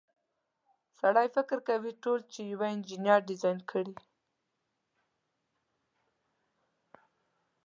سړی فکر کوي ټول چې یوه انجنیر ډیزاین کړي.